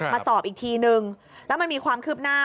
สอบอีกทีนึงแล้วมันมีความคืบหน้า